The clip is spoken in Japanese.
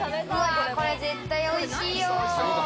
これ絶対美味しいよ。